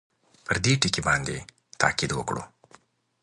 پر دې ټکي باندې تاءکید وکړو.